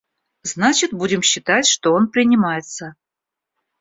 Значит, будем считать, что он принимается.